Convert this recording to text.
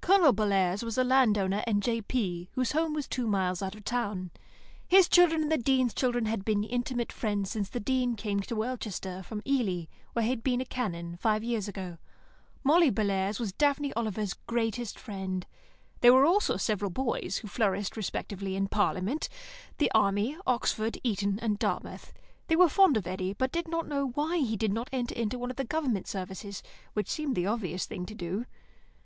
Colonel Bellairs was a land owner and J.P., whose home was two miles out of the town. His children and the Dean's children had been intimate friends since the Dean came to Welchester from Ely, where he had been a Canon, five years ago. Molly Bellairs was Daphne Oliver's greatest friend. There were also several boys, who flourished respectively in Parliament, the Army, Oxford, Eton, and Dartmouth. They were fond of Eddy, but did not know why he did not enter one of the Government services, which seems the obvious thing to do.